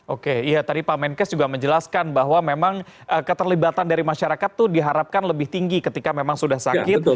oke ya tadi pak menkes juga menjelaskan bahwa memang keterlibatan dari masyarakat itu diharapkan lebih tinggi ketika memang sudah sakit